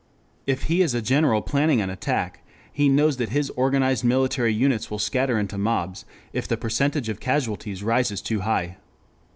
If he is a general planning an attack, he knows that his organized military units will scatter into mobs if the percentage of casualties rises too high.